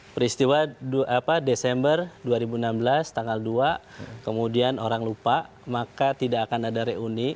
peristiwa desember dua ribu enam belas tanggal dua kemudian orang lupa maka tidak akan ada reuni